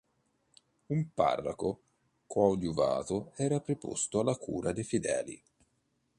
Un parroco coadiuvato era preposto alla cura dei fedeli.